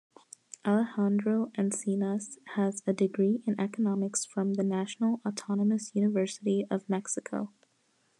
Alejandro Encinas has a degree in economics from the National Autonomous University of Mexico.